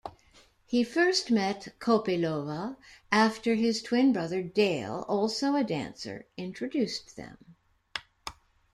He first met Kopylova after his twin brother Dale, also a dancer, introduced them.